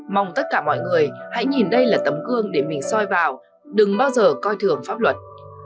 mong tất cả mọi người hãy nhìn đây là tấm gương để mình soi vào đừng bao giờ coi thường pháp luật